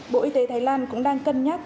bộ y tế thái lan cũng đang cân nhắc